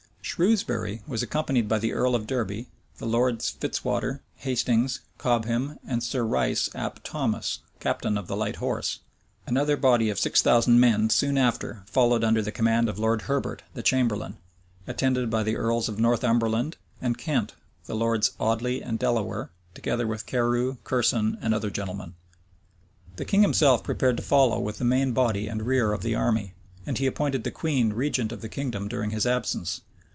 Shrewsbury was accompanied by the earl of Derby, the lords Fitzwater, Hastings, Cobham, and Sir Rice ap Thomas, captain of the light horse. Another body of six thousand men soon after followed under the command of Lord Herbert the chamberlain, attended by the earls of Northumberland and Kent, the lords Audley and Delawar, together with Carew, Curson, and other gentlemen. The king himself prepared to follow with the main body and rear of the army; and he appointed the queen regent of the kingdom during his absence.